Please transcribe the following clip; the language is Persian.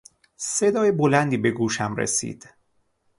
صدای بلندی به گوشم رسید.